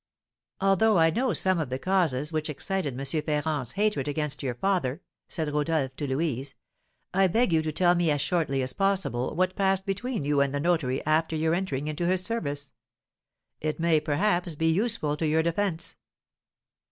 "Although I know some of the causes which excited M. Ferrand's hatred against your father," said Rodolph to Louise, "I beg you to tell me as shortly as possible what passed between you and the notary after your entering into his service; it may, perhaps, be useful for your defence."